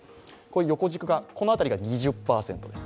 横軸、この辺りが２０％です。